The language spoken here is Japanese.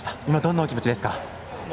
今、どんなお気持ちですか？